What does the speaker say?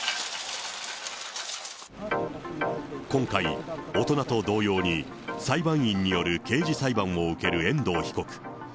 今回、大人と同様に裁判員による刑事裁判を受ける遠藤被告。